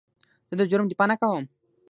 زه د جرم دفاع نه کوم.